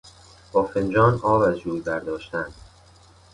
با فنجان آب از جوی برداشتن